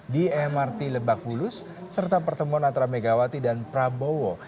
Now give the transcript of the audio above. di mrt lebakbulus serta pertemuan antara megawati dan prabowo